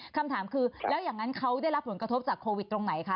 คำถามคือแล้วอย่างนั้นเขาได้รับผลกระทบจากโควิดตรงไหนคะ